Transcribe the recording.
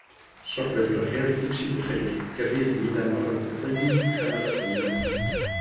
صحبة الأخيار تكسب الخير، كالرّيح إذا مرت بالطّيب حملت طيباً.